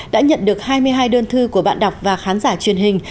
đã nhận được hai mươi hai đơn thư của bạn đọc và khán giả truyền hình